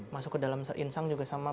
masuk ke dalam seinsang juga sama